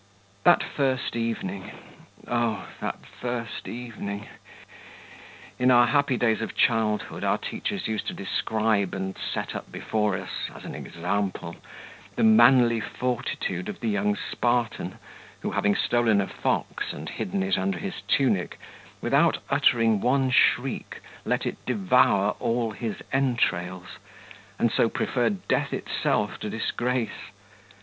That first evening.... Oh, that first evening! In our happy days of childhood our teachers used to describe and set up before us as an example the manly fortitude of the young Spartan, who, having stolen a fox and hidden it under his tunic, without uttering one shriek let it devour all his entrails, and so preferred death itself to disgrace....